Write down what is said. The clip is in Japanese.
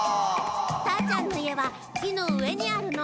ターちゃんのいえはきのうえにあるの。